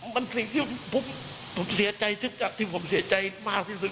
มันสิ่งที่ผมเสียใจที่ผมเสียใจมากที่สุด